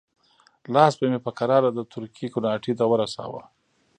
لاس به مې په کراره د تورکي کوناټي ته ورساوه.